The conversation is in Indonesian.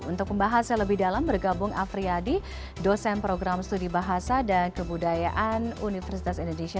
untuk membahasnya lebih dalam bergabung afriyadi dosen program studi bahasa dan kebudayaan universitas indonesia